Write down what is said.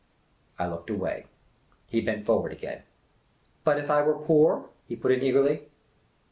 I looked away. He bent forward again. " But if I were poor ?" he put in eagerly.